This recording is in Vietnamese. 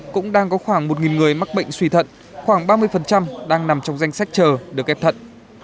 cũng đang có khoảng một người mắc bệnh suy thận khoảng ba mươi đang nằm trong danh sách chờ được ghép thận